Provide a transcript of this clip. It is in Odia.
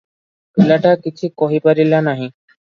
ପିଲାଟି କିଛି କହିପାରିଲା ନାହିଁ ।